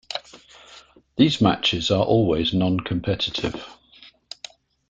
These matches are always non-competitive.